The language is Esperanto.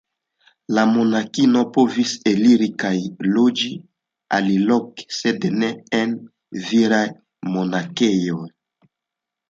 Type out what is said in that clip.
La monaĥinoj povis eliri kaj loĝi aliloke, sed ne en viraj monaĥejoj.